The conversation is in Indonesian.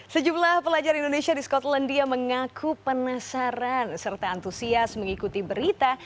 sejumlah pelajar indonesia di skotlandia mengaku penasaran serta antusias mengikuti berita